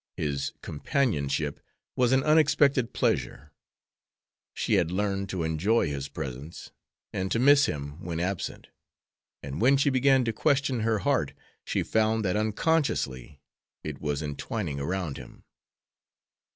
His companionship was an unexpected pleasure. She had learned to enjoy his presence and to miss him when absent, and when she began to question her heart she found that unconsciously it was entwining around him.